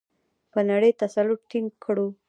په نړۍ تسلط ټینګ کړو؟